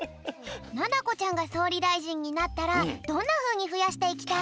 ななこちゃんがそうりだいじんになったらどんなふうにふやしていきたい？